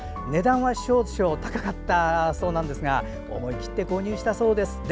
値段は少々高かったそうなんですが思い切って購入したそうです。